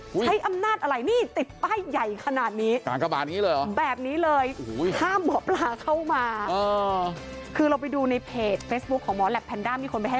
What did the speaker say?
ใช้อำนาจอะไร